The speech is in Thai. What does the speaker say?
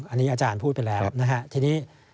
อันนี้อาจารย์พูดไปแล้วนะฮะทีนี้